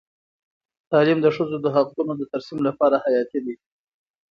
تعلیم د ښځو د حقونو د ترسیم لپاره حیاتي دی.